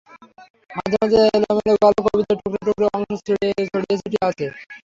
মাঝে মাঝে এলোমেলো গল্প, কবিতার টুকরো টুকরো অংশ ছড়িয়ে ছিটিয়ে আছে।